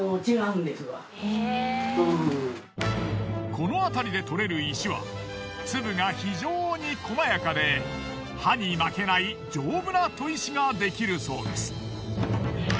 この辺りでとれる石は粒が非常に細やかで刃に負けない丈夫な砥石ができるそうです。